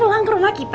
pulang ke rumah kita